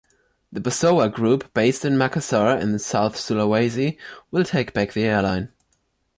The Bosowa group, based in Makassar in South Sulawesi, will take back the airline.